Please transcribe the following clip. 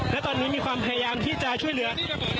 และตอนนี้มีความพยายามที่จะช่วยเหลือ